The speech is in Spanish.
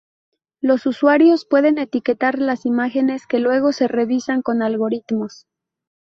Los usuarios pueden etiquetar las imágenes, que luego se revisan con algoritmos.